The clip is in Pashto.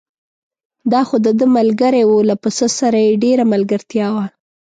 دا خو دده ملګری و، له پسه سره یې ډېره ملګرتیا وه.